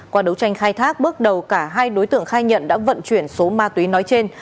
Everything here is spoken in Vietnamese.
qua đấu tranh khai thác bước đầu cả hai đối tượng khai nhận đã vận chuyển số ma túy nói trên